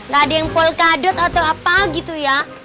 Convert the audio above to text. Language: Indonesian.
gak ada yang polkadot atau apa gitu ya